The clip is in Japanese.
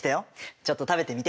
ちょっと食べてみて。